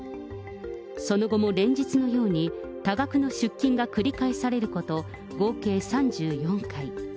その後も連日のように、多額の出金が繰り返されること、合計３４回。